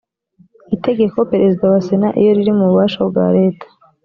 itegeko perezida wa sena iyo riri mu bubasha bwa leta